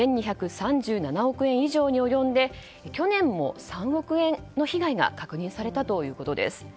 １２３７億円以上に及んで去年も３億円の被害が確認されたということです。